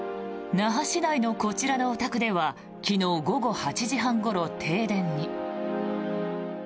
那覇市内のこちらのお宅では昨日午後８時半ごろ停電に。